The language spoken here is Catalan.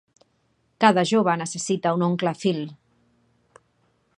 Cada jove necessita un oncle Phil.